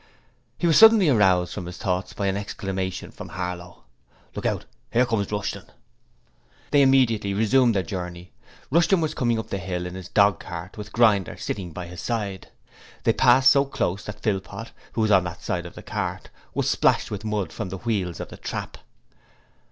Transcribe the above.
He was suddenly aroused from these thoughts by an exclamation from Harlow. 'Look out! Here comes Rushton.' They immediately resumed their journey. Rushton was coming up the hill in his dog cart with Grinder sitting by his side. They passed so closely that Philpot who was on that side of the cart was splashed with mud from the wheels of the trap.